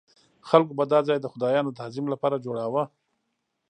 خلکو به دا ځای د خدایانو د تعظیم لپاره جوړاوه.